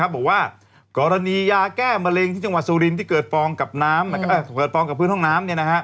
บอกว่ากรณียาแก้มะเร็งที่จังหวัดซูรินที่เกิดฟองกับพื้นห้องน้ำ